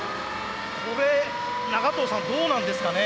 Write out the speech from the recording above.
これ長藤さんどうなんですかね？